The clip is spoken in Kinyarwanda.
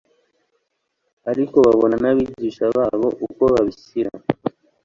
ariko babona n'abigisha babo uko babishyira